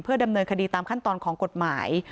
ดำเนินคดีตามขั้นตอนของกฎหมาย